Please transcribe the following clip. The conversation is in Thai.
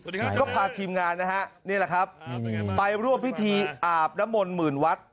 ก็พาทีมงานนะฮะนี่แหละครับไปร่วมพิธีอาบน้ำมนต์หมื่นวัด